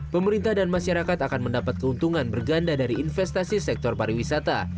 pemerintah dan masyarakat akan mendapat keuntungan berganda dari investasi sektor pariwisata